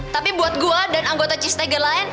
tapi buat gue dan anggota cheers tiger lain